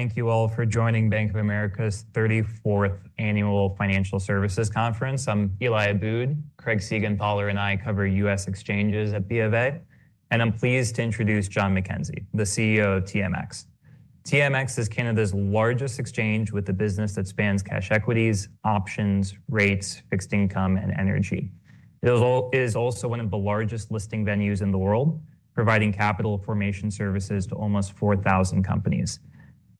Thank you all for joining Bank of America's 34th Annual Financial Services Conference. I'm Eli Abboud. Craig Siegenthaler and I cover U.S. exchanges at BofA, and I'm pleased to introduce John McKenzie, the CEO of TMX. TMX is Canada's largest exchange with a business that spans cash equities, options, rates, fixed income, and energy. It is also one of the largest listing venues in the world, providing capital formation services to almost 4,000 companies.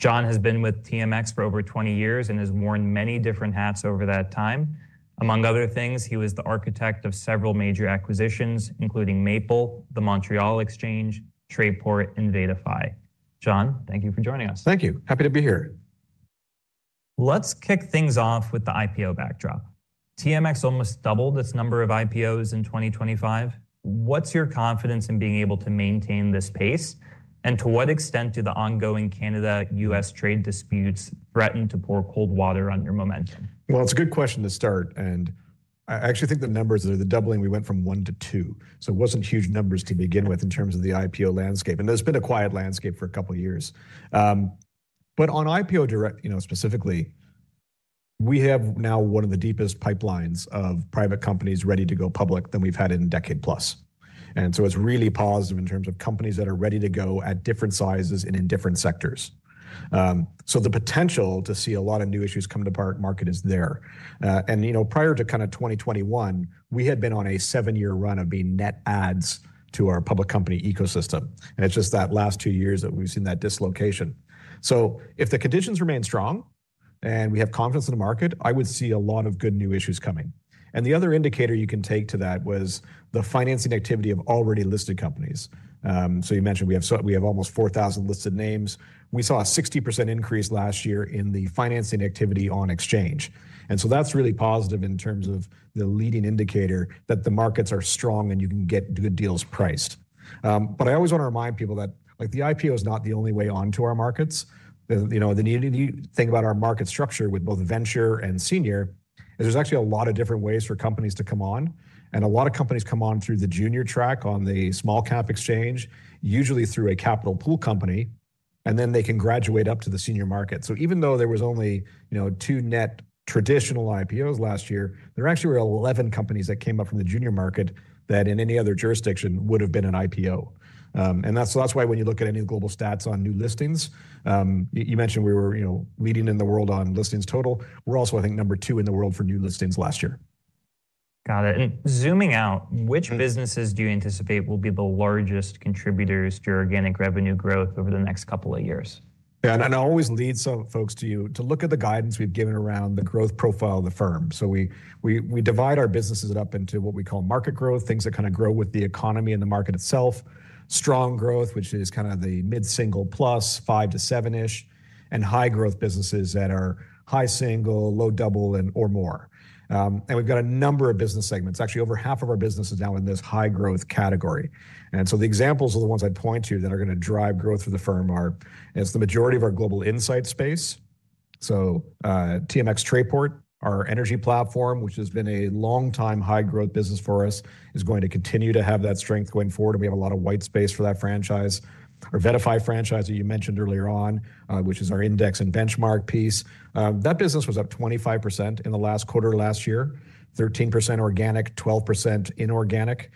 John has been with TMX for over 20 years and has worn many different hats over that time. Among other things, he was the architect of several major acquisitions, including Maple, the Montreal Exchange, Trayport, and VettaFi. John, thank you for joining us. Thank you. Happy to be here. Let's kick things off with the IPO backdrop. TMX almost doubled its number of IPOs in 2025. What's your confidence in being able to maintain this pace, and to what extent do the ongoing Canada-U.S. trade disputes threaten to pour cold water on your momentum? Well, it's a good question to start. I actually think the numbers are the doubling. We went from one to two, so it wasn't huge numbers to begin with in terms of the IPO landscape. There's been a quiet landscape for a couple of years. But on IPO direct, specifically, we have now one of the deepest pipelines of private companies ready to go public than we've had in a decade plus. So it's really positive in terms of companies that are ready to go at different sizes and in different sectors. The potential to see a lot of new issues come to market is there. Prior to kind of 2021, we had been on a seven-year run of being net adds to our public company ecosystem. It's just that last two years that we've seen that dislocation. So if the conditions remain strong and we have confidence in the market, I would see a lot of good new issues coming. The other indicator you can take to that was the financing activity of already listed companies. You mentioned we have almost 4,000 listed names. We saw a 60% increase last year in the financing activity on exchange. That's really positive in terms of the leading indicator that the markets are strong and you can get good deals priced. But I always want to remind people that the IPO is not the only way onto our markets. The needed thing about our market structure with both venture and senior is there's actually a lot of different ways for companies to come on. A lot of companies come on through the junior track on the small-cap exchange, usually through a capital pool company, and then they can graduate up to the senior market. So even though there were only two net traditional IPOs last year, there actually were 11 companies that came up from the junior market that in any other jurisdiction would have been an IPO. So that's why when you look at any of the global stats on new listings, you mentioned we were leading in the world on listings total. We're also, I think, number two in the world for new listings last year. Got it. And zooming out, which businesses do you anticipate will be the largest contributors to your organic revenue growth over the next couple of years? Yeah. I always lead some folks to look at the guidance we've given around the growth profile of the firm. We divide our businesses up into what we call market growth, things that kind of grow with the economy and the market itself, strong growth, which is kind of the mid-single plus five to seven-ish, and high growth businesses that are high single, low double, and/or more. We've got a number of business segments. Actually, over half of our business is now in this high growth category. The examples of the ones I point to that are going to drive growth for the firm are the majority of our global insight space. TMX Trayport, our energy platform, which has been a long-time high growth business for us, is going to continue to have that strength going forward. We have a lot of white space for that franchise, our VettaFi franchise that you mentioned earlier on, which is our index and benchmark piece. That business was up 25% in the last quarter last year, 13% organic, 12% inorganic.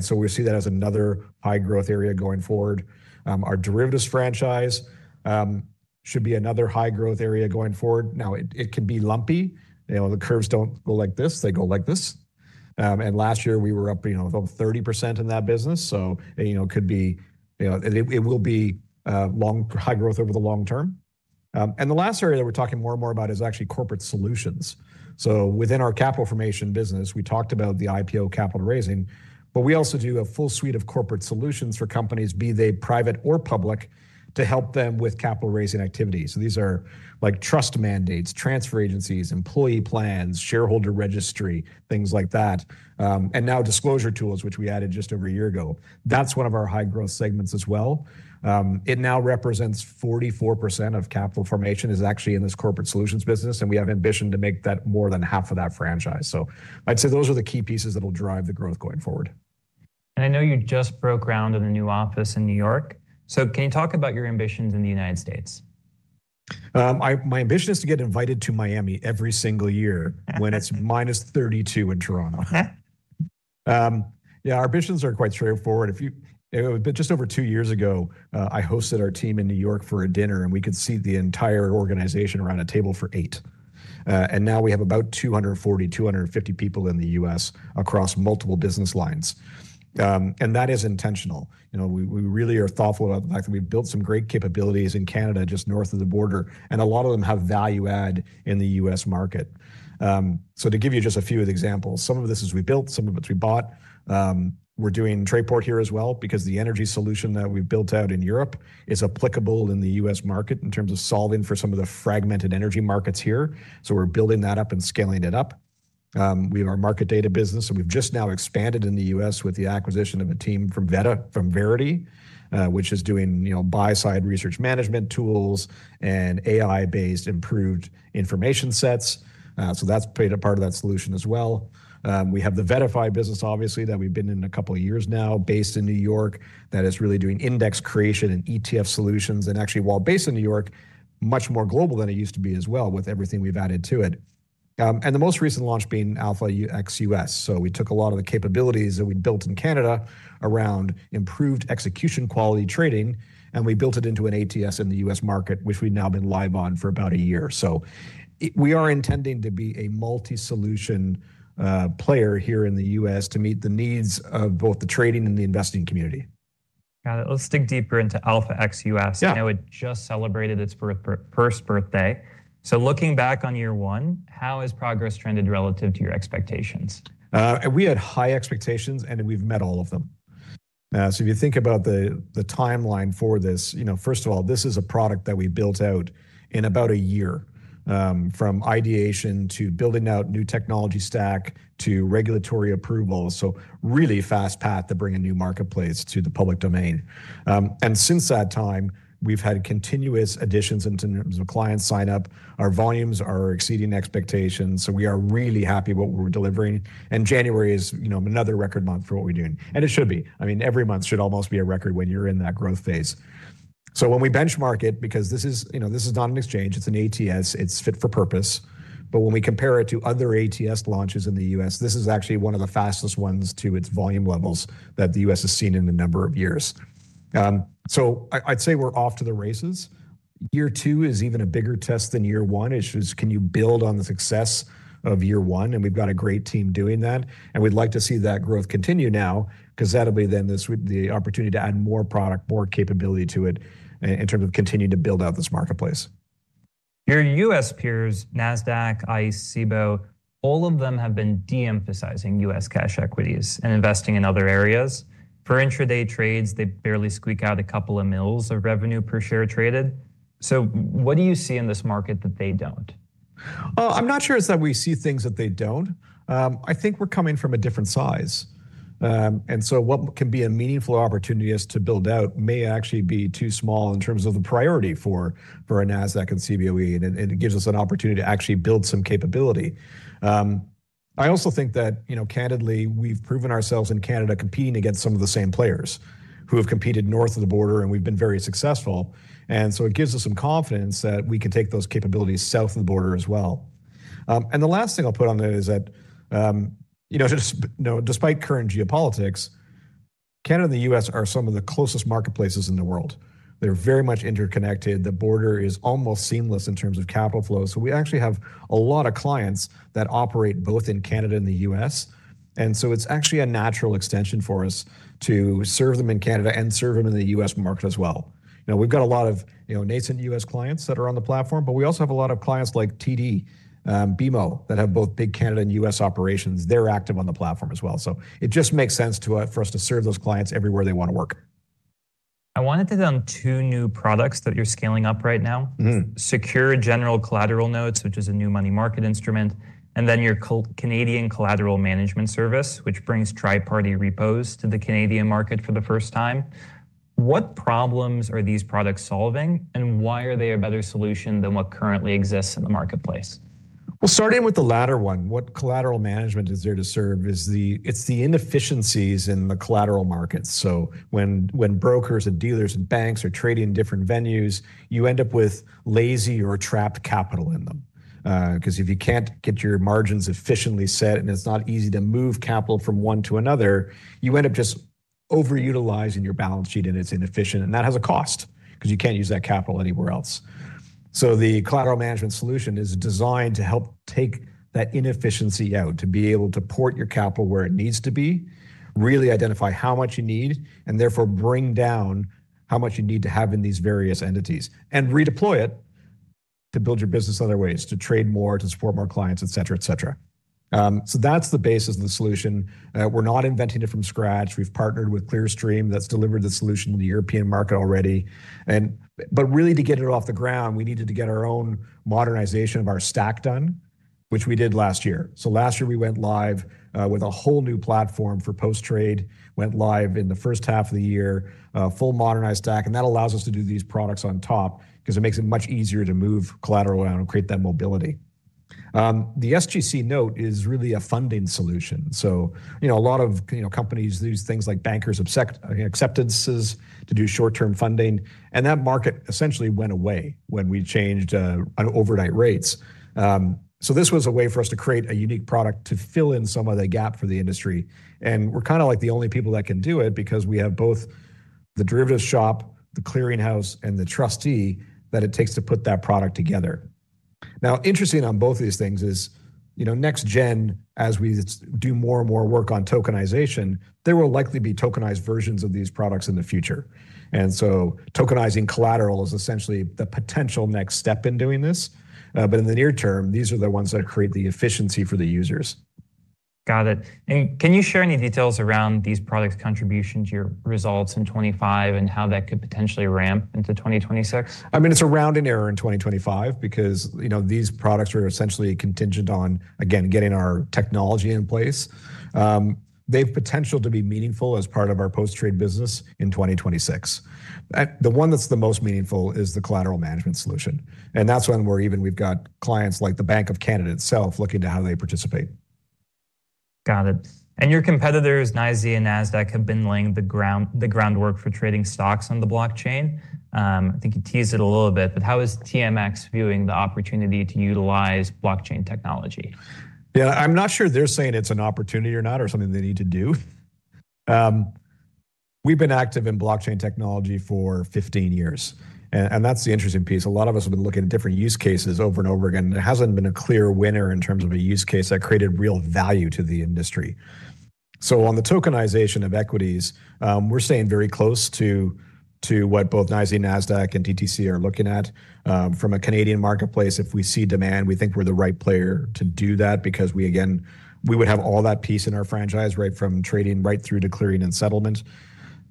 So we see that as another high growth area going forward. Our derivatives franchise should be another high growth area going forward. Now, it can be lumpy. The curves don't go like this. They go like this. Last year we were up about 30% in that business. So it could be it will be high growth over the long term. The last area that we're talking more and more about is actually corporate solutions. So within our capital formation business, we talked about the IPO capital raising, but we also do a full suite of corporate solutions for companies, be they private or public, to help them with capital raising activities. So these are trust mandates, transfer agencies, employee plans, shareholder registry, things like that. And now disclosure tools, which we added just over a year ago. That's one of our high growth segments as well. It now represents 44% of capital formation is actually in this corporate solutions business. And we have ambition to make that more than half of that franchise. So I'd say those are the key pieces that will drive the growth going forward. I know you just broke ground in a new office in New York. So can you talk about your ambitions in the United States? My ambition is to get invited to Miami every single year when it's -32 in Toronto. Yeah, our ambitions are quite straightforward. Just over two years ago, I hosted our team in New York for a dinner, and we could see the entire organization around a table for eight. Now we have about 240-250 people in the U.S. across multiple business lines. That is intentional. We really are thoughtful about the fact that we've built some great capabilities in Canada just north of the border, and a lot of them have value add in the U.S. market. To give you just a few examples, some of this is we built, some of it's we bought. We're doing Trayport here as well because the energy solution that we've built out in Europe is applicable in the U.S. market in terms of solving for some of the fragmented energy markets here. So we're building that up and scaling it up. We have our market data business, and we've just now expanded in the U.S. with the acquisition of a team from Verity, which is doing buy-side research management tools and AI-based improved information sets. So that's part of that solution as well. We have the VettaFi business, obviously, that we've been in a couple of years now based in New York that is really doing index creation and ETF solutions. And actually, while based in New York, much more global than it used to be as well with everything we've added to it. And the most recent launch being AlphaX U.S. So we took a lot of the capabilities that we'd built in Canada around improved execution quality trading, and we built it into an ATS in the U.S. market, which we've now been live on for about a year. So we are intending to be a multi-solution player here in the U.S. to meet the needs of both the trading and the investing community. Got it. Let's dig deeper into AlphaX U.S. I know it just celebrated its first birthday. Looking back on year one, how has progress trended relative to your expectations? We had high expectations, and we've met all of them. So if you think about the timeline for this, first of all, this is a product that we built out in about a year from ideation to building out new technology stack to regulatory approval. So really fast path to bring a new marketplace to the public domain. And since that time, we've had continuous additions in terms of client sign-up. Our volumes are exceeding expectations. So we are really happy with what we're delivering. And January is another record month for what we're doing. And it should be. I mean, every month should almost be a record when you're in that growth phase. So when we benchmark it, because this is not an exchange, it's an ATS, it's fit for purpose. But when we compare it to other ATS launches in the U.S., this is actually one of the fastest ones to its volume levels that the U.S. has seen in a number of years. So I'd say we're off to the races. Year two is even a bigger test than year one. It's just can you build on the success of year one? And we've got a great team doing that. And we'd like to see that growth continue now because that'll be then the opportunity to add more product, more capability to it in terms of continuing to build out this marketplace. Your U.S. peers, Nasdaq, ICE, Cboe, all of them have been de-emphasizing U.S. cash equities and investing in other areas. For intraday trades, they barely squeak out a couple of mills of revenue per share traded. So what do you see in this market that they don't? I'm not sure that we see things that they don't. I think we're coming from a different size. And so what can be a meaningful opportunity to build out may actually be too small in terms of the priority for a Nasdaq and Cboe. And it gives us an opportunity to actually build some capability. I also think that, candidly, we've proven ourselves in Canada competing against some of the same players who have competed north of the border, and we've been very successful. And so it gives us some confidence that we can take those capabilities south of the border as well. And the last thing I'll put on there is that, despite current geopolitics, Canada and the U.S. are some of the closest marketplaces in the world. They're very much interconnected. The border is almost seamless in terms of capital flows. So we actually have a lot of clients that operate both in Canada and the U.S. And so it's actually a natural extension for us to serve them in Canada and serve them in the U.S. market as well. We've got a lot of nascent U.S. clients that are on the platform, but we also have a lot of clients like TD, BMO that have both big Canada and U.S. operations. They're active on the platform as well. So it just makes sense for us to serve those clients everywhere they want to work. I wanted to hit on two new products that you're scaling up right now: Secured General Collateral Notes, which is a new money market instrument, and then your Canadian Collateral Management Service, which brings triparty repos to the Canadian market for the first time. What problems are these products solving, and why are they a better solution than what currently exists in the marketplace? Well, starting with the latter one, what collateral management is there to serve is the inefficiencies in the collateral markets. So when brokers and dealers and banks are trading different venues, you end up with lazy or trapped capital in them. Because if you can't get your margins efficiently set and it's not easy to move capital from one to another, you end up just overutilizing your balance sheet, and it's inefficient. And that has a cost because you can't use that capital anywhere else. So the collateral management solution is designed to help take that inefficiency out, to be able to port your capital where it needs to be, really identify how much you need, and therefore bring down how much you need to have in these various entities, and redeploy it to build your business other ways, to trade more, to support more clients, etc., etc. That's the basis of the solution. We're not inventing it from scratch. We've partnered with Clearstream that's delivered the solution in the European market already. Really, to get it off the ground, we needed to get our own modernization of our stack done, which we did last year. Last year, we went live with a whole new platform for post-trade, went live in the first half of the year, full modernized stack. That allows us to do these products on top because it makes it much easier to move collateral around and create that mobility. The SGC note is really a funding solution. A lot of companies use things like bankers' acceptances to do short-term funding. That market essentially went away when we changed overnight rates. This was a way for us to create a unique product to fill in some of the gap for the industry. We're kind of like the only people that can do it because we have both the derivatives shop, the clearinghouse, and the trustee that it takes to put that product together. Now, interesting on both of these things is next-gen, as we do more and more work on tokenization, there will likely be tokenized versions of these products in the future. So tokenizing collateral is essentially the potential next step in doing this. In the near term, these are the ones that create the efficiency for the users. Got it. Can you share any details around these products' contribution to your results in 2025 and how that could potentially ramp into 2026? I mean, it's a rounding error in 2025 because these products are essentially contingent on, again, getting our technology in place. They have potential to be meaningful as part of our post-trade business in 2026. The one that's the most meaningful is the collateral management solution. And that's when we've got clients like the Bank of Canada itself looking to how they participate. Got it. And your competitors, NYSE and Nasdaq, have been laying the groundwork for trading stocks on the blockchain. I think you teased it a little bit, but how is TMX viewing the opportunity to utilize blockchain technology? Yeah, I'm not sure they're saying it's an opportunity or not or something they need to do. We've been active in blockchain technology for 15 years. And that's the interesting piece. A lot of us have been looking at different use cases over and over again. There hasn't been a clear winner in terms of a use case that created real value to the industry. So on the tokenization of equities, we're staying very close to what both NYSE, Nasdaq, and DTCC are looking at. From a Canadian marketplace, if we see demand, we think we're the right player to do that because, again, we would have all that piece in our franchise, right from trading right through to clearing and settlement.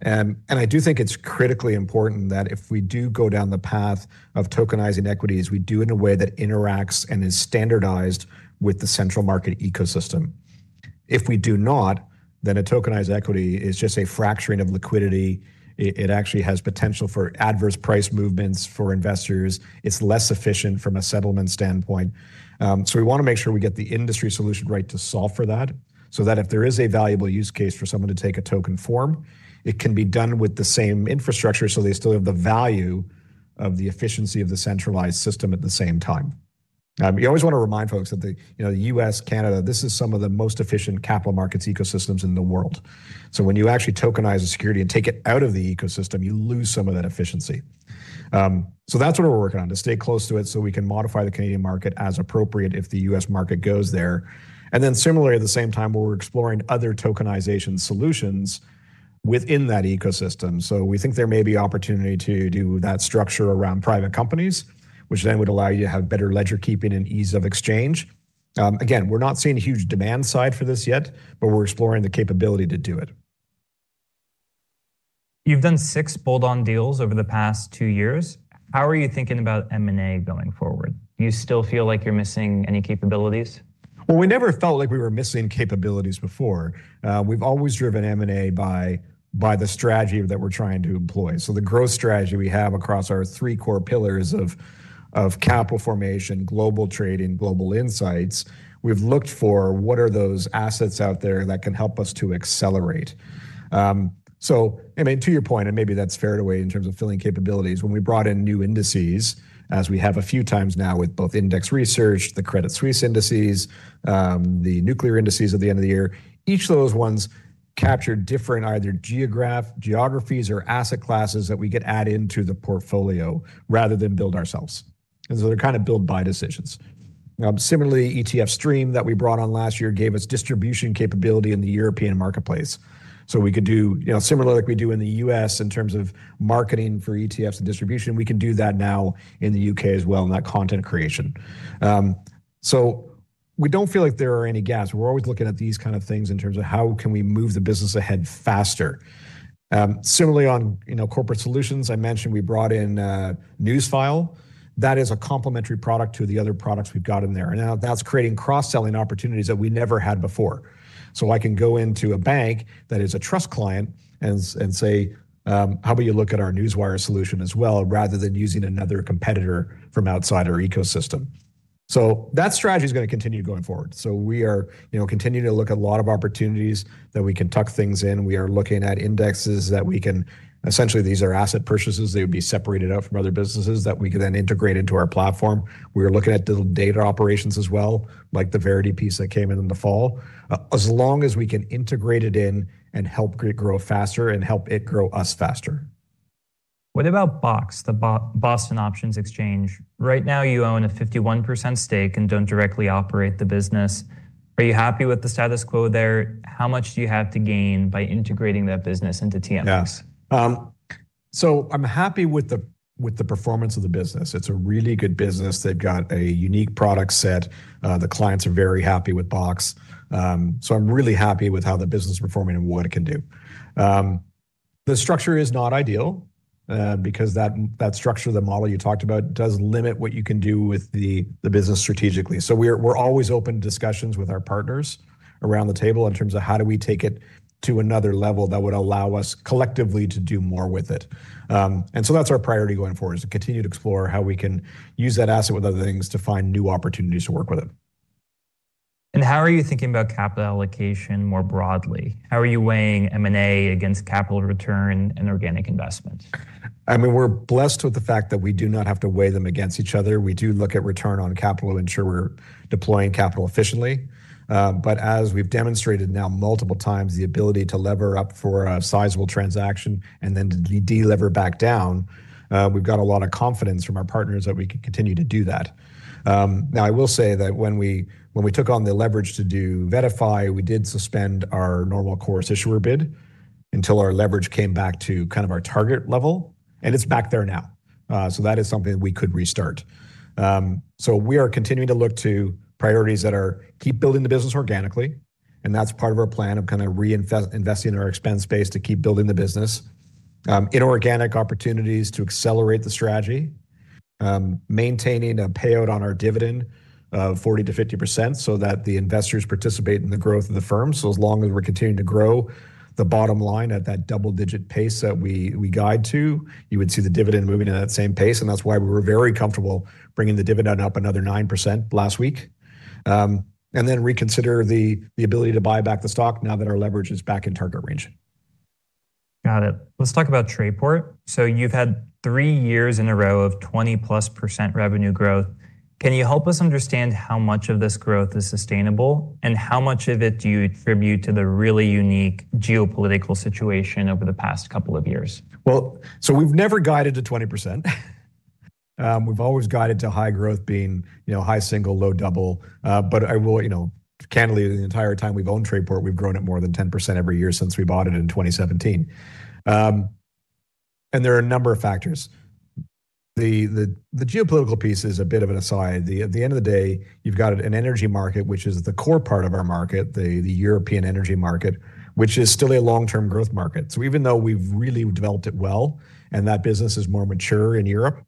I do think it's critically important that if we do go down the path of tokenizing equities, we do in a way that interacts and is standardized with the central market ecosystem. If we do not, then a tokenized equity is just a fracturing of liquidity. It actually has potential for adverse price movements for investors. It's less efficient from a settlement standpoint. So we want to make sure we get the industry solution right to solve for that, so that if there is a valuable use case for someone to take a token form, it can be done with the same infrastructure so they still have the value of the efficiency of the centralized system at the same time. You always want to remind folks that the U.S., Canada, this is some of the most efficient capital markets ecosystems in the world. So when you actually tokenize a security and take it out of the ecosystem, you lose some of that efficiency. So that's what we're working on, to stay close to it so we can modify the Canadian market as appropriate if the U.S. market goes there. And then similarly, at the same time, we're exploring other tokenization solutions within that ecosystem. So we think there may be opportunity to do that structure around private companies, which then would allow you to have better ledger keeping and ease of exchange. Again, we're not seeing a huge demand side for this yet, but we're exploring the capability to do it. You've done six bolt-on deals over the past two years. How are you thinking about M&A going forward? Do you still feel like you're missing any capabilities? Well, we never felt like we were missing capabilities before. We've always driven M&A by the strategy that we're trying to employ. So the growth strategy we have across our three core pillars of Capital Formation, Global Trading, Global Insights, we've looked for what are those assets out there that can help us to accelerate. So, I mean, to your point, and maybe that's fair to weigh in terms of filling capabilities, when we brought in new indices, as we have a few times now with both index research, the Credit Suisse indices, the nuclear indices at the end of the year, each of those ones captured different either geographies or asset classes that we get added into the portfolio rather than build ourselves. And so they're kind of buy-build decisions. Similarly, ETF Stream that we brought on last year gave us distribution capability in the European marketplace. So we could do similar to what we do in the U.S. in terms of marketing for ETFs and distribution. We can do that now in the U.K. as well in that content creation. So we don't feel like there are any gaps. We're always looking at these kinds of things in terms of how can we move the business ahead faster. Similarly, on corporate solutions, I mentioned we brought in Newsfile. That is a complementary product to the other products we've got in there. And now that's creating cross-selling opportunities that we never had before. So I can go into a bank that is a trust client and say, how about you look at our newswire solution as well, rather than using another competitor from outside our ecosystem? So that strategy is going to continue going forward. So we are continuing to look at a lot of opportunities that we can tuck things in. We are looking at indexes that we can essentially, these are asset purchases. They would be separated out from other businesses that we could then integrate into our platform. We are looking at the data operations as well, like the Verity piece that came in in the fall, as long as we can integrate it in and help it grow faster and help it grow us faster. What about BOX, the Boston Options Exchange? Right now, you own a 51% stake and don't directly operate the business. Are you happy with the status quo there? How much do you have to gain by integrating that business into TMX? Yeah, so I'm happy with the performance of the business. It's a really good business. They've got a unique product set. The clients are very happy with BOX. So I'm really happy with how the business is performing and what it can do. The structure is not ideal because that structure, the model you talked about, does limit what you can do with the business strategically. So we're always open to discussions with our partners around the table in terms of how do we take it to another level that would allow us collectively to do more with it. And so that's our priority going forward, is to continue to explore how we can use that asset with other things to find new opportunities to work with it. How are you thinking about capital allocation more broadly? How are you weighing M&A against capital return and organic investment? I mean, we're blessed with the fact that we do not have to weigh them against each other. We do look at return on capital to ensure we're deploying capital efficiently. But as we've demonstrated now multiple times, the ability to lever up for a sizable transaction and then delever back down, we've got a lot of confidence from our partners that we can continue to do that. Now, I will say that when we took on the leverage to do VettaFi, we did suspend our normal course issuer bid until our leverage came back to kind of our target level. And it's back there now. So that is something that we could restart. So we are continuing to look to priorities that are keep building the business organically. And that's part of our plan of kind of reinvesting in our expense base to keep building the business, inorganic opportunities to accelerate the strategy, maintaining a payout on our dividend of 40%-50% so that the investors participate in the growth of the firm. So as long as we're continuing to grow the bottom line at that double-digit pace that we guide to, you would see the dividend moving at that same pace. And that's why we were very comfortable bringing the dividend up another 9% last week. And then reconsider the ability to buy back the stock now that our leverage is back in target range. Got it. Let's talk about Trayport. So you've had three years in a row of 20%+ revenue growth. Can you help us understand how much of this growth is sustainable? How much of it do you attribute to the really unique geopolitical situation over the past couple of years? Well, so we've never guided to 20%. We've always guided to high growth, being high single, low double. But I will candidly, the entire time we've owned Trayport, we've grown at more than 10% every year since we bought it in 2017. And there are a number of factors. The geopolitical piece is a bit of an aside. At the end of the day, you've got an energy market, which is the core part of our market, the European energy market, which is still a long-term growth market. So even though we've really developed it well and that business is more mature in Europe,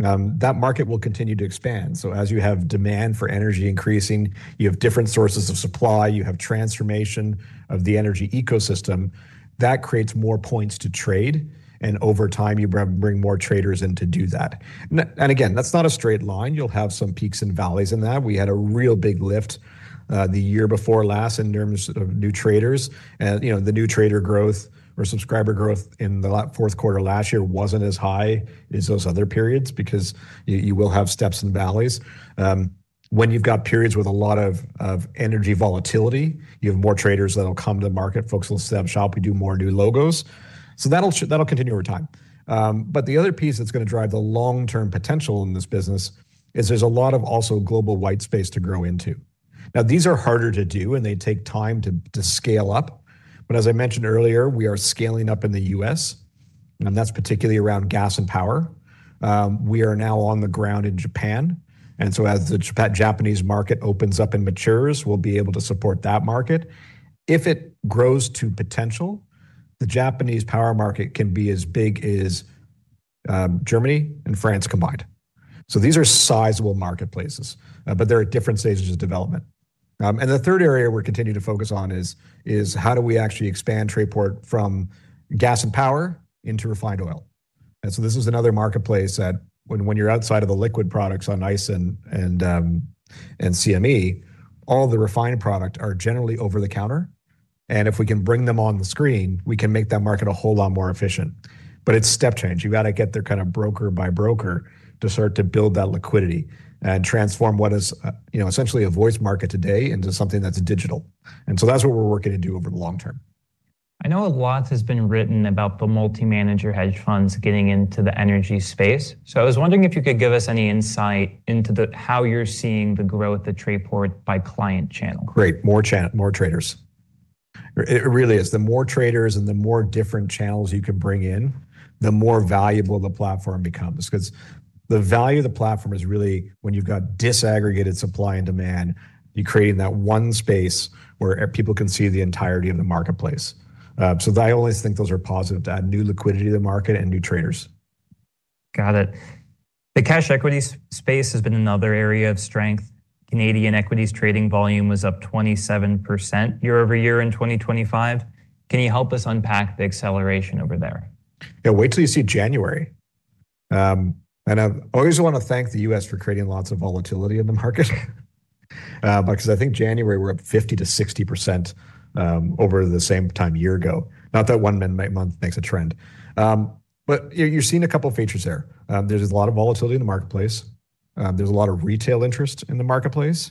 that market will continue to expand. So as you have demand for energy increasing, you have different sources of supply, you have transformation of the energy ecosystem, that creates more points to trade. And over time, you bring more traders in to do that. Again, that's not a straight line. You'll have some peaks and valleys in that. We had a real big lift the year before last in terms of new traders. The new trader growth or subscriber growth in the fourth quarter last year wasn't as high as those other periods because you will have steps and valleys. When you've got periods with a lot of energy volatility, you have more traders that'll come to the market. Folks will step shop. We do more new logos. So that'll continue over time. But the other piece that's going to drive the long-term potential in this business is there's a lot of also global white space to grow into. Now, these are harder to do, and they take time to scale up. But as I mentioned earlier, we are scaling up in the U.S., and that's particularly around gas and power. We are now on the ground in Japan. So as the Japanese market opens up and matures, we'll be able to support that market. If it grows to potential, the Japanese power market can be as big as Germany and France combined. These are sizable marketplaces, but they're at different stages of development. The third area we continue to focus on is how do we actually expand Trayport from gas and power into refined oil? So this is another marketplace that when you're outside of the liquid products on ICE and CME, all the refined products are generally over the counter. If we can bring them on the screen, we can make that market a whole lot more efficient. But it's step change. You've got to get there kind of broker by broker to start to build that liquidity and transform what is essentially a voiced market today into something that's digital. And so that's what we're working to do over the long term. I know a lot has been written about the multi-manager hedge funds getting into the energy space. So I was wondering if you could give us any insight into how you're seeing the growth at Trayport by client channel? Great, more traders. It really is. The more traders and the more different channels you can bring in, the more valuable the platform becomes. Because the value of the platform is really when you've got disaggregated supply and demand, you're creating that one space where people can see the entirety of the marketplace. So I always think those are positive to add new liquidity to the market and new traders. Got it. The cash equities space has been another area of strength. Canadian equities trading volume was up 27% year-over-year in 2025. Can you help us unpack the acceleration over there? Yeah, wait till you see January. I always want to thank the U.S. for creating lots of volatility in the market. Because I think January we're up 50%-60% over the same time a year ago. Not that one month makes a trend. But you're seeing a couple of features there. There's a lot of volatility in the marketplace. There's a lot of retail interest in the marketplace.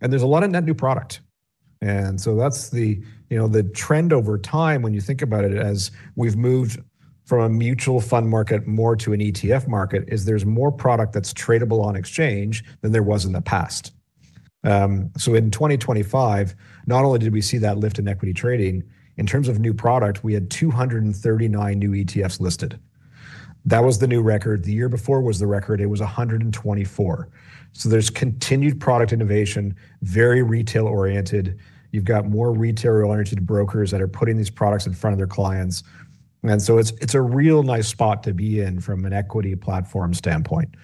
And there's a lot of net new product. And so that's the trend over time. When you think about it as we've moved from a mutual fund market more to an ETF market, is there's more product that's tradable on exchange than there was in the past. So in 2025, not only did we see that lift in equity trading, in terms of new product, we had 239 new ETFs listed. That was the new record. The year before was the record. It was 124. So there's continued product innovation, very retail-oriented. You've got more retail-oriented brokers that are putting these products in front of their clients. And so it's a real nice spot to be in from an equity platform standpoint.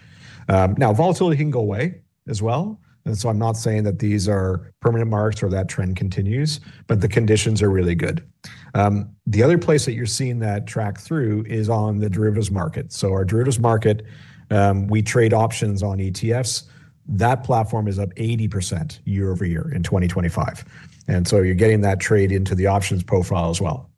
Now, volatility can go away as well. And so I'm not saying that these are permanent marks or that trend continues, but the conditions are really good. The other place that you're seeing that track through is on the derivatives market. So our derivatives market, we trade options on ETFs. That platform is up 80% year-over-year in 2025. And so you're getting that trade into the options profile as well.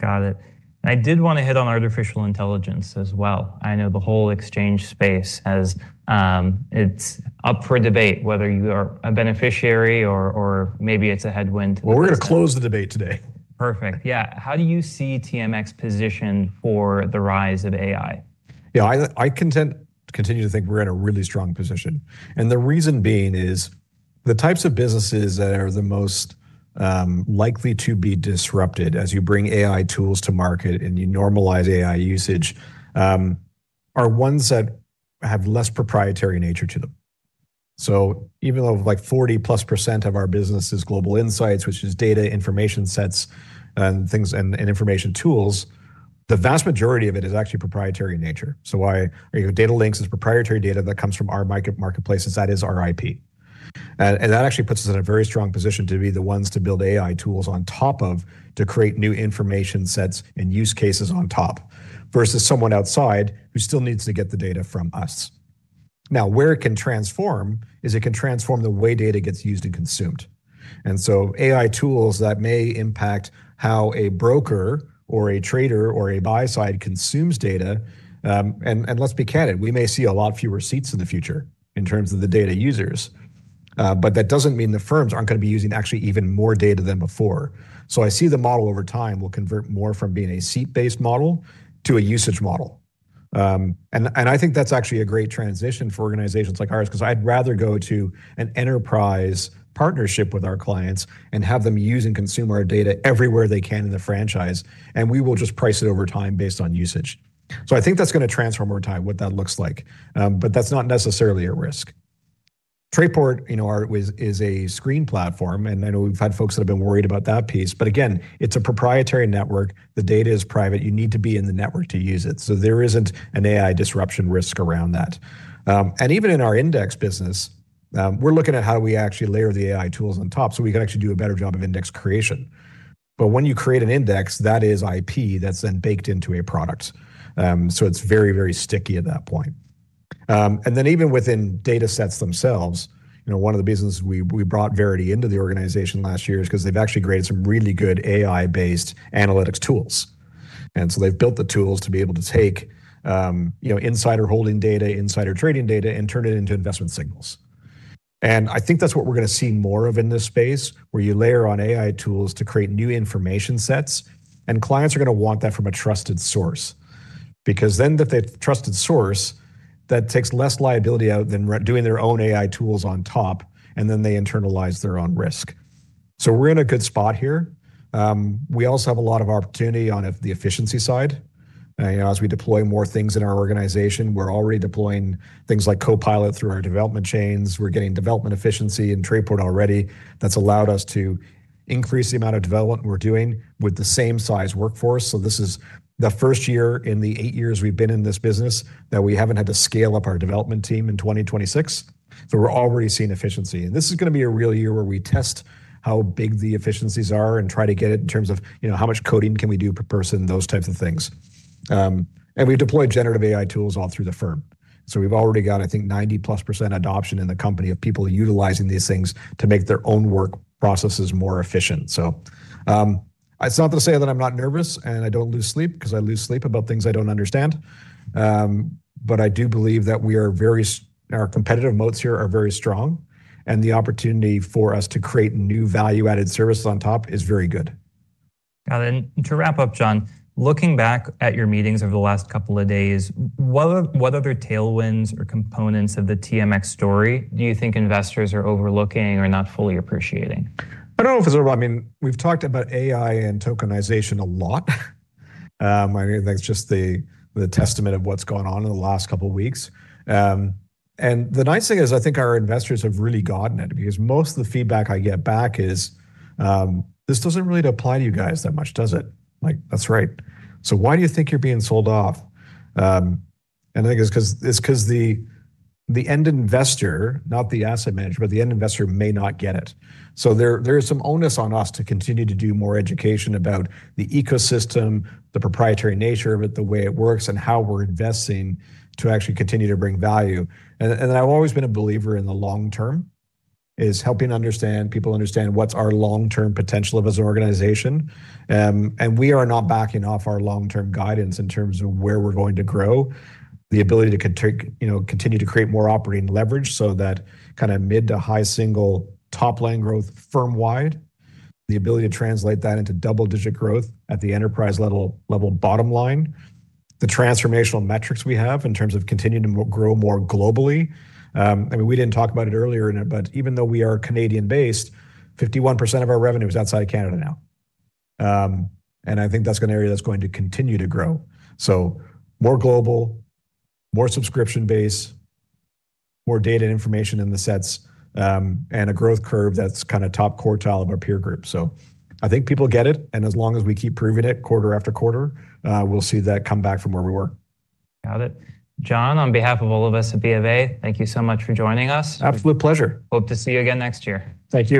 Got it. I did want to hit on artificial intelligence as well. I know the whole exchange space, it's up for debate whether you are a beneficiary or maybe it's a headwind. Well, we're going to close the debate today. Perfect. Yeah. How do you see TMX positioned for the rise of AI? Yeah, I continue to think we're in a really strong position. The reason being is the types of businesses that are the most likely to be disrupted as you bring AI tools to market and you normalize AI usage are ones that have less proprietary nature to them. Even though like 40+% of our business is Global Insights, which is data, information sets, and information tools, the vast majority of it is actually proprietary in nature. So Datalinx is proprietary data that comes from our marketplaces. That is our IP. And that actually puts us in a very strong position to be the ones to build AI tools on top of to create new information sets and use cases on top versus someone outside who still needs to get the data from us. Now, where it can transform is it can transform the way data gets used and consumed. And so, AI tools that may impact how a broker or a trader or a buy-side consumes data. And let's be candid, we may see a lot fewer seats in the future in terms of the data users. But that doesn't mean the firms aren't going to be using actually even more data than before. So I see the model over time will convert more from being a seat-based model to a usage model. And I think that's actually a great transition for organizations like ours because I'd rather go to an enterprise partnership with our clients and have them use and consume our data everywhere they can in the franchise. And we will just price it over time based on usage. So I think that's going to transform over time what that looks like. But that's not necessarily at risk. Trayport is a screen platform. And I know we've had folks that have been worried about that piece. But again, it's a proprietary network. The data is private. You need to be in the network to use it. So there isn't an AI disruption risk around that. And even in our index business, we're looking at how do we actually layer the AI tools on top so we can actually do a better job of index creation. But when you create an index, that is IP that's then baked into a product. So it's very, very sticky at that point. And then even within data sets themselves, one of the businesses we brought Verity into the organization last year is because they've actually created some really good AI-based analytics tools. And so they've built the tools to be able to take insider holding data, insider trading data, and turn it into investment signals. I think that's what we're going to see more of in this space where you layer on AI tools to create new information sets. And clients are going to want that from a trusted source. Because then that they trusted source, that takes less liability out than doing their own AI tools on top. And then they internalize their own risk. So we're in a good spot here. We also have a lot of opportunity on the efficiency side. As we deploy more things in our organization, we're already deploying things like Copilot through our development chains. We're getting development efficiency in Trayport already. That's allowed us to increase the amount of development we're doing with the same size workforce. So this is the first year in the eight years we've been in this business that we haven't had to scale up our development team in 2026. So we're already seeing efficiency. And this is going to be a real year where we test how big the efficiencies are and try to get it in terms of how much coding can we do per person, those types of things. And we've deployed generative AI tools all through the firm. So we've already got, I think, 90+% adoption in the company of people utilizing these things to make their own work processes more efficient. So it's not to say that I'm not nervous and I don't lose sleep because I lose sleep about things I don't understand. But I do believe that we are very competitive. Moats here are very strong. The opportunity for us to create new value-added services on top is very good. Got it. To wrap up, John, looking back at your meetings over the last couple of days, what other tailwinds or components of the TMX story do you think investors are overlooking or not fully appreciating? I don't know if it's over. I mean, we've talked about AI and tokenization a lot. I think that's just the testament of what's gone on in the last couple of weeks. The nice thing is, I think our investors have really gotten it because most of the feedback I get back is this doesn't really apply to you guys that much, does it? That's right. Why do you think you're being sold off? I think it's because the end investor, not the asset manager, but the end investor may not get it. There is some onus on us to continue to do more education about the ecosystem, the proprietary nature of it, the way it works, and how we're investing to actually continue to bring value. And then I've always been a believer in the long term, is helping people understand what's our long-term potential as an organization. And we are not backing off our long-term guidance in terms of where we're going to grow. The ability to continue to create more operating leverage so that kind of mid- to high-single top-line growth firm-wide, the ability to translate that into double-digit growth at the enterprise-level bottom line, the transformational metrics we have in terms of continuing to grow more globally. I mean, we didn't talk about it earlier, but even though we are Canadian-based, 51% of our revenue is outside of Canada now. And I think that's an area that's going to continue to grow. So more global, more subscription-based, more data and information in the sets, and a growth curve that's kind of top quartile of our peer group. I think people get it. As long as we keep proving it quarter after quarter, we'll see that come back from where we were. Got it. John, on behalf of all of us at BofA, thank you so much for joining us. Absolute pleasure. Hope to see you again next year. Thank you.